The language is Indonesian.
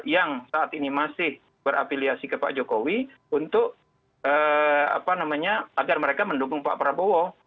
yang saat ini masih berafiliasi ke pak jokowi untuk agar mereka mendukung pak prabowo